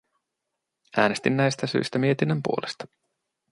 Äänestin näistä syistä mietinnön puolesta.